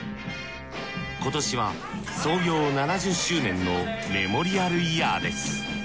今年は創業７０周年のメモリアルイヤーです。